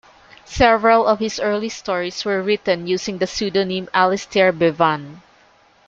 Several of his early stories were written using the pseudonym Alistair Bevan.